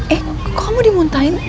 eh kok kamu dimuntahin